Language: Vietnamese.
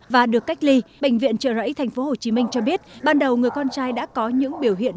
và được cách ly bệnh viện trợ rẫy tp hcm cho biết ban đầu người con trai đã có những biểu hiện